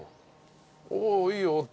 「おおいいよ」って。